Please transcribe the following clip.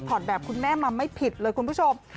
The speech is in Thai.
แบบคุณแม่มาไม่ผิดเลยคุณผู้ชม